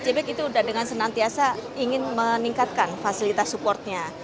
jpeg itu sudah dengan senantiasa ingin meningkatkan fasilitas support nya